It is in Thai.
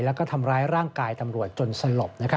แล้วก็ทำร้ายร่างกายตำรวจจนสลบ